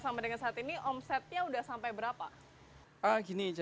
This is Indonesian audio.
yang beda itu sambalnya